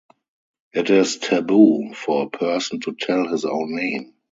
It is taboo for a person to tell his own name.